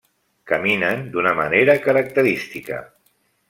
Caminen d'una manera característica.